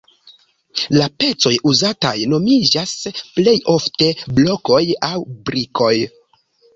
La pecoj uzataj nomiĝas plej ofte blokoj aŭ brikoj.